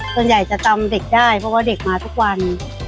ส่วนใหญ่จะจำเด็กได้เพราะว่าเด็กมาทุกวัน